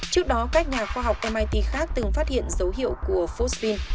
trước đó các nhà khoa học mit khác từng phát hiện dấu hiệu của phosphine